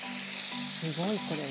すごいこれは。